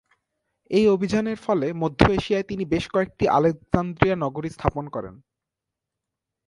এই অভিযানের ফলে মধ্য এশিয়ায় তিনি বেশ কয়েকটি আলেকজান্দ্রিয়া নগরী স্থাপন করেন।